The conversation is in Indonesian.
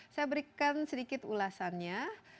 saya berikan sedikit ulasannya